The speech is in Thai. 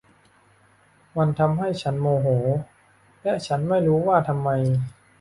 มันทำให้ฉันโมโห และฉันไม่รู้ว่าทำไม